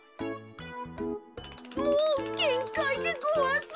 もうげんかいでごわす。